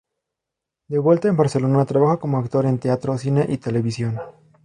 De vuelta en Barcelona trabaja como actor en teatro, cine y televisión.